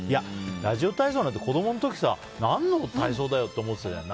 ラジオ体操なんて子供の時さ、何の体操だよって思ってたじゃん。